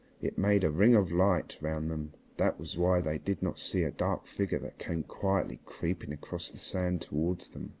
It made a ring of light round them. That was why they did not see a dark figure that came quietly creeping across the sand towards them.